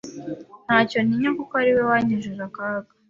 ntacyo ntinya kuko ariwe wankijije akaga.